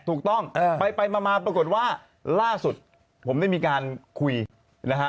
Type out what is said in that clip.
ถูกต้องไปมาปรากฏว่าล่าสุดผมได้มีการคุยนะฮะ